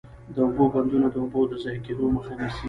د اوبو بندونه د اوبو د ضایع کیدو مخه نیسي.